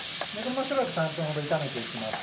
しばらく３分ほど炒めていきます。